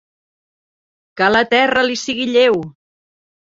Que la terra li sigui lleu.